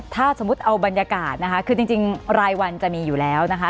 ถ้าสมมุติเอาบรรยากาศนะคะคือจริงรายวันจะมีอยู่แล้วนะคะ